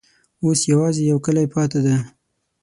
اوس یوازي یو کلی پاته دی.